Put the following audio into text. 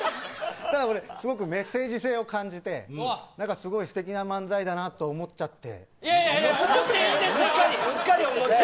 すごくメッセージ性を感じてすてきな漫才だなと思っちゃって。